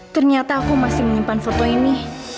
ternyata aku masih menyimpan foto ini